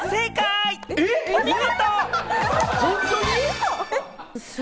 お見事！